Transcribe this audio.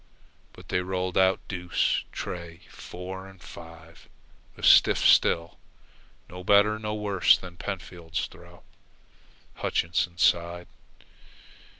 But they rolled out deuce, tray, four, and five a stiff still and no better nor worse than Pentfield's throw. Hutchinson sighed.